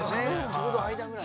ちょうど間ぐらい？